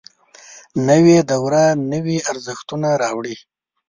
نوې دوره نوي ارزښتونه راوړي